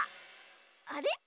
あれ？